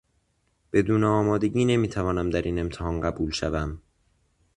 بدون آمادگی نمیتوانم در این امتحان قبول شوم.